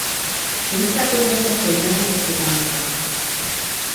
Ženská podoba tohoto jména je Štěpánka.